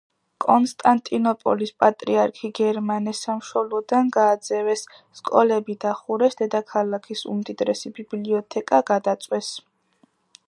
კონსტანტინოპოლის პატრიარქი გერმანე სამშობლოდან გააძევეს, სკოლები დახურეს, დედაქალაქის უმდიდრესი ბიბლიოთეკა გადაწვეს.